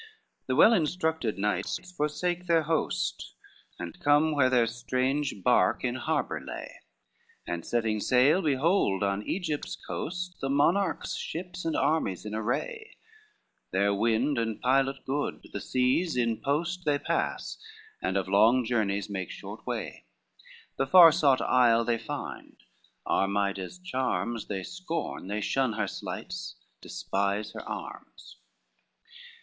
The well instructed knights forsake their host, And come where their strange bark in harbor lay, And setting sail behold on Egypt's coast The monarch's ships and armies in array: Their wind and pilot good, the seas in post They pass, and of long journeys make short way: The far sought isle they find; Armida's charms They scorn, they shun her sleights, despise her arms.